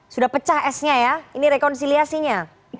sudah pecah esnya ya ini rekonsiliasinya